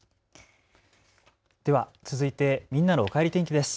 では続いてみんなのおかえり天気です。